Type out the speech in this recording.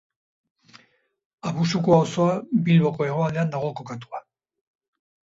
Abusuko auzoa Bilboko hegoaldean dago kokatua.